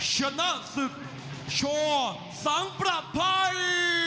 ชนะ๑๐ช่วง๓ประพัย